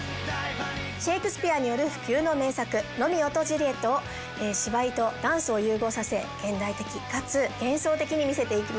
シェークスピアによる不朽の名作『ロミオとジュリエット』を芝居とダンスを融合させ現代的かつ幻想的に見せていきます。